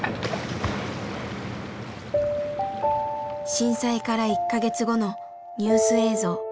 震災から１か月後のニュース映像。